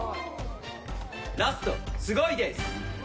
ラストすごいです！